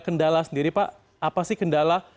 kendala sendiri pak apa sih kendala